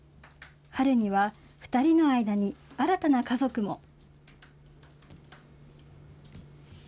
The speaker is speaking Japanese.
春には２人の間に新たな家族も。